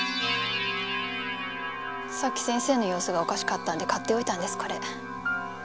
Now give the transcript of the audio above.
さっき先生の様子がおかしかったんで買っておいたんですこれ。